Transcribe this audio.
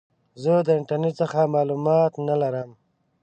زه د انټرنیټ څخه معلومات نه لرم.